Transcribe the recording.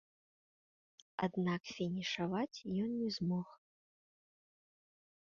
Аднак фінішаваць ён не змог.